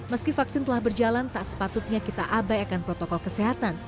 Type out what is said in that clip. meski vaksin telah berjalan tak sepatutnya kita abaikan protokol kesehatan